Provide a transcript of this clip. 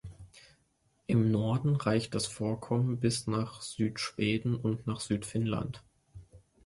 Im Norden reicht das Vorkommen bis nach Südschweden und nach Südfinnland.